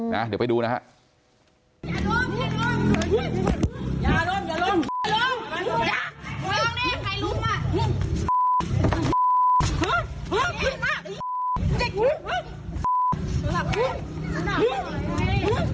เดี๋ยวไปดูนะครับ